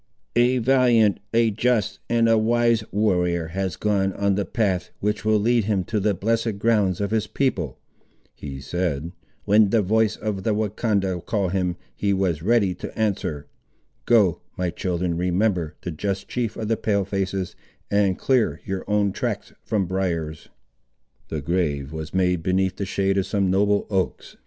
"A valiant, a just, and a wise warrior has gone on the path, which will lead him to the blessed grounds of his people!" he said. "When the voice of the Wahcondah called him, he was ready to answer. Go, my children; remember the just chief of the Pale faces, and clear your own tracks from briars." The grave was made beneath the shade of some noble oaks.